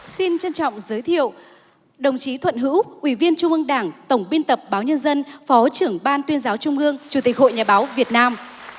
xin trân trọng giới thiệu đồng chí thuận hữu ủy viên trung ương đảng tổng biên tập báo nhân dân phó trưởng ban tuyên giáo trung ương chủ tịch hội nhà báo việt nam